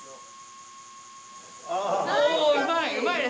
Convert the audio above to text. うまい！